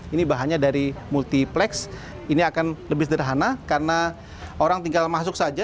ini bahannya dari multiplex ini akan lebih sederhana karena orang tinggal masuk saja